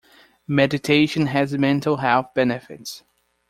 Meditation has mental health benefits.